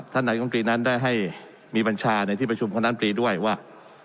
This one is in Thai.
ท่านนายก็มีนั้นได้ให้มีบรรชาในที่ประชุมคณณปรีด้วยว่า